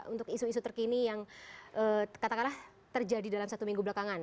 untuk isu isu terkini yang katakanlah terjadi dalam satu minggu belakangan